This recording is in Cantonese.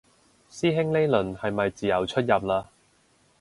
師兄呢輪係咪自由出入嘞